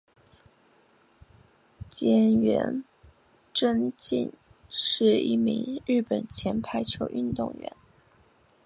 菅原贞敬是一名日本前排球运动员。